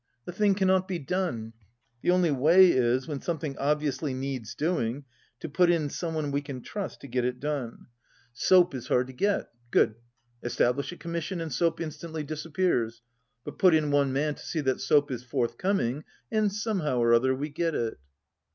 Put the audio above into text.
The thing cannot be done. The only way is, when something obviously needs doing, to put in some one we can trust to get it done. Soap 65 is hard to get. Good. Establish a commission and soap instantly disappears. But put in one man to see that soap is forthcoming, and somehow or other we get it."